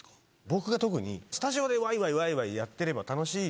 僕が特にスタジオでワイワイワイワイやってれば。